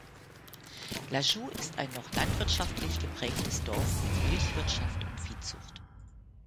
Lajoux ist ein noch landwirtschaftlich geprägtes Dorf mit Milchwirtschaft und Viehzucht.